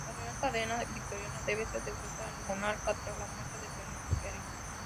La Real Cadena Victoriana debe ser devuelta al monarca tras la muerte del beneficiario.